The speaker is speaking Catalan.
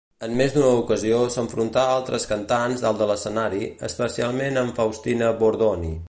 En més d'una ocasió s'enfrontà a altres cantants dalt de l'escenari, especialment amb Faustina Bordoni.